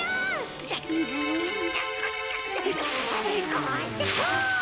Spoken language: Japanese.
こうしてこう！